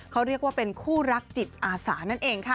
เขาเรียกว่าเป็นคู่รักจิตอาสานั่นเองค่ะ